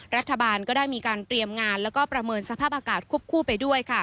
รัฐบาลก็ได้มีการเตรียมงานแล้วก็ประเมินสภาพอากาศควบคู่ไปด้วย